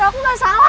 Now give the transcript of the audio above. aku gak salah